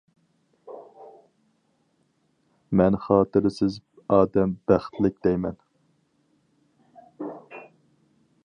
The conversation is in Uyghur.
مەن : «خاتىرىسىز ئادەم بەختلىك» دەيمەن.